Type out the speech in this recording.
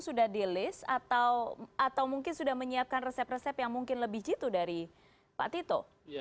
sudah di list atau mungkin sudah menyiapkan resep resep yang mungkin lebih jitu dari pak tito